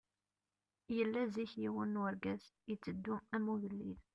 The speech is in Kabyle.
Yella zik yiwen n urgaz, yetteddu am ugellid.